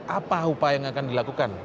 apa upaya yang akan dilakukan